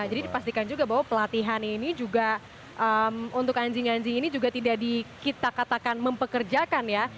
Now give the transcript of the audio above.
jadi dipastikan juga bahwa pelatihan ini juga untuk anjing anjing ini juga tidak dikita katakan mempekerjakan ya